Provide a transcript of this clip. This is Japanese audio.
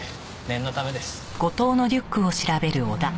念のためです。